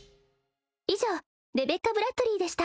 以上レベッカ＝ブラッドリィでした